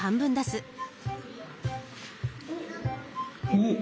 おっ！